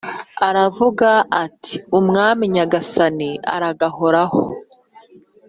aravuga ati “Umwami nyagasani aragahoraho.”